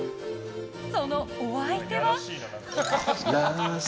そのお相手は。